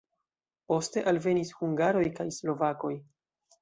Poste alvenis hungaroj kaj slovakoj.